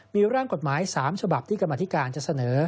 มีร่างกฎหมาย๓ฉบับที่กรรมธิการจะเสนอ